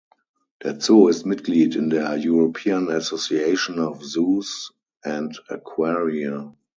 Der Zoo ist Mitglied in der European Association of Zoos and Aquaria.